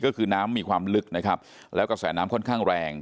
ก็คือน้ำมีความลึกนะครับแล้วกระแสน้ำค่อนข้างแรง